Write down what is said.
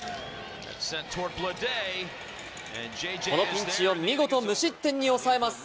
このピンチを見事無失点に抑えます。